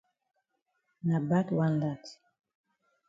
Na bad wan dat.